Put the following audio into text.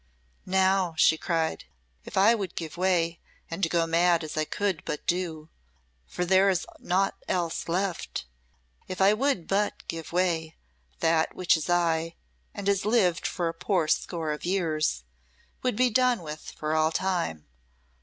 "Now!" she cried, "if I would give way and go mad, as I could but do, for there is naught else left if I would but give way, that which is I and has lived but a poor score of years would be done with for all time.